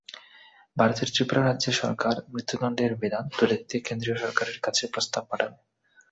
ভারতের ত্রিপুরা রাজ্য সরকার মৃত্যুদণ্ডের বিধান তুলে দিতে কেন্দ্রীয় সরকারের কাছে প্রস্তাব পাঠাবে।